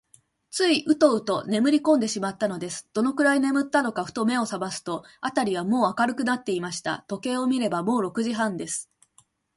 ついウトウトねむりこんでしまったのです。どのくらいねむったのか、ふと目をさますと、あたりはもう明るくなっていました。時計を見れば、もう六時半です。